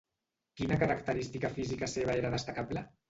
Quina característica física seva era destacable?